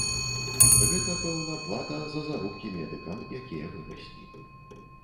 Гэта, пэўна, плата за заробкі медыкам, якія выраслі.